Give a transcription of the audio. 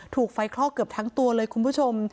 ถูกไฟคลอกเกือบทั้งตัวเลยคุณผู้ชม